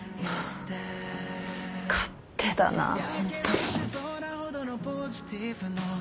勝手だなホントに。